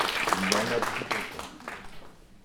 Il y en a tout autant.